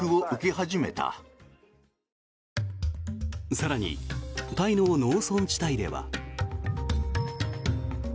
更に、タイの農村地帯では。